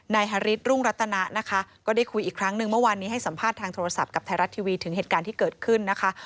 ฮาริสรุ่งรัตนานะคะก็ได้คุยอีกครั้งหนึ่งเมื่อวานนี้ให้สัมภาษณ์ทางโทรศัพท์กับไทยรัฐทีวีถึงเหตุการณ์ที่เกิดขึ้นนะคะ